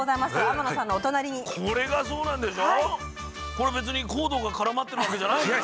これ別にコードが絡まってるわけじゃないんでしょ？